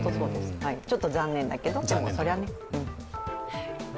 ちょっと残念だけど、それはね。